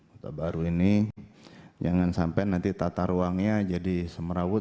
kota baru ini jangan sampai nanti tata ruangnya jadi semerawut